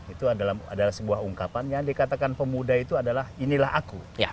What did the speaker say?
itu adalah sebuah ungkapan yang dikatakan pemuda itu adalah inilah aku